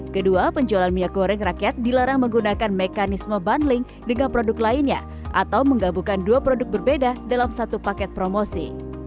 kedua penjualan minyak goreng rakyat dilarang menggunakan mekanisme bundling dengan produk lainnya atau menggabungkan dua produk berbeda dalam satu paket promosi